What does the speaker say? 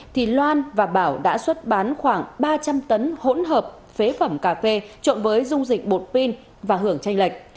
thì loan và bảo đã xuất bán khoảng ba trăm linh tấn hỗn hợp phế phẩm cà phê trộn với dung dịch bột pin và hưởng tranh lệch